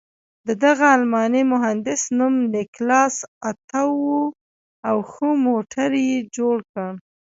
د دغه الماني مهندس نوم نیکلاس اتو و او ښه موټر یې جوړ کړ.